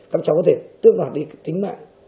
các cháu có thể tước đoạt đi tính mạng